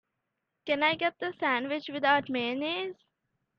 Can I get the sandwich without mayonnaise?